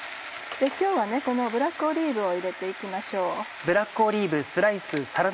今日はこのブラックオリーブを入れて行きましょう。